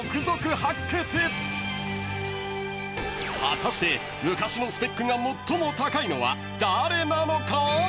［果たして昔のスペックが最も高いのは誰なのか？］